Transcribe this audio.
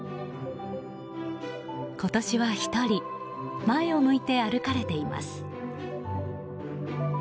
今年は１人前を向いて歩かれています。